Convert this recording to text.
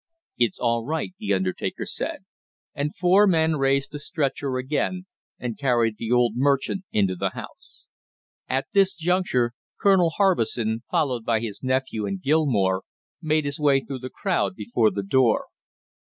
"It's all right," the undertaker said, and four men raised the stretcher again and carried the old merchant into the house. At this juncture Colonel Harbison, followed by his nephew and Gilmore, made his way through the crowd before the door.